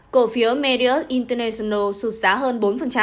cổ phiếu marriott international sụt giá hơn bốn